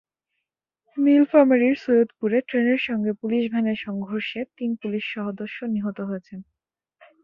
নীলফামারীর সৈয়দপুরে ট্রেনের সঙ্গে পুলিশ ভ্যানের সংঘর্ষে তিন পুলিশ সদস্য নিহত হয়েছেন।